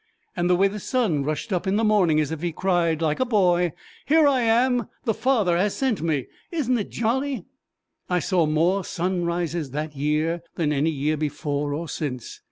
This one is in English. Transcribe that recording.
and the way the sun rushed up in the morning, as if he cried, like a boy, "Here I am! The Father has sent me! Isn't it jolly!" I saw more sun rises that year than any year before or since.